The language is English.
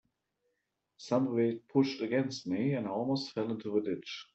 Somebody pushed against me, and I almost fell into the ditch.